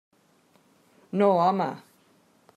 No, home!